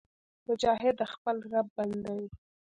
مجاهد د خپل رب بنده وي.